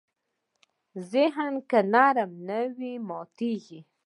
ذهن که نرم نه وي، ماتېږي.